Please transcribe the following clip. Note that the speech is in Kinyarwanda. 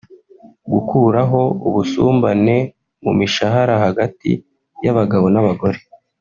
gukuraho ubusumbane mu mishahara hagati y’abagabo n’abagore